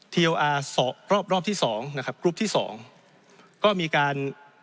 ทีโออาร์รอบที่๒ก็มีการ